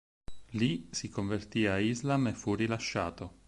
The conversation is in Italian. Lì si convertì a Islam e fu rilasciato.